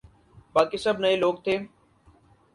باقی سب نئے لوگ تھے۔